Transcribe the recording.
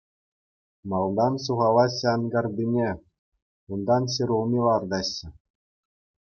Малтан сухалаҫҫӗ анкартине, унтан ҫӗр улми лартаҫҫӗ.